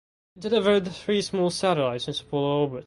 It delivered three small satellites into polar orbit.